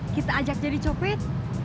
kita ajak jadi copet